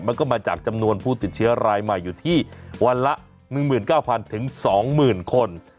มันก็มาจากจำนวนผู้ติดเชื้อรายใหม่อยู่ที่วันละ๑๙๐๐๒๐๐๐คน